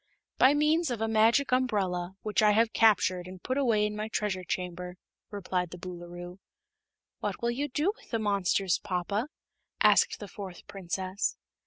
"By means of a Magic Umbrella, which I have captured and put away in my Treasure Chamber," replied the Boolooroo. "What will you do with the monsters, papa?" asked the fourth Princess.